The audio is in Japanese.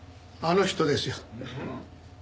あの人ですよ。